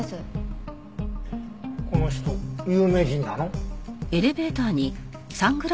この人有名人なの？